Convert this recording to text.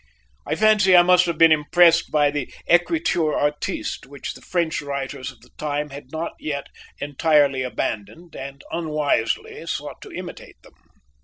I fancy I must have been impressed by the écriture artiste which the French writers of the time had not yet entirely abandoned, and unwisely sought to imitate them.